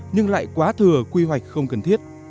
nhưng lại quá thừa quy hoạch không cần thiết